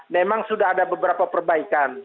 memang sudah ada beberapa perbaikan